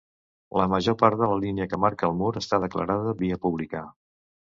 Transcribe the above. La major part de la línia que marca el mur està declarada via pública.